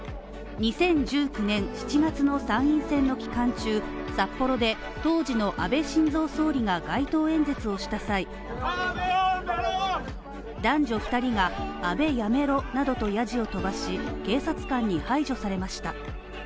２０１９年７月の参院選の期間中、札幌で当時の安倍晋三総理が街頭演説をした際男女２人が「安倍、やめろ」などとやじを飛ばし警察官に排除されました。